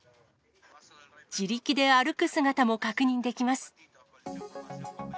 自力で歩く姿も確認できます。